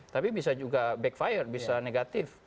tapi bisa juga backfire bisa negatif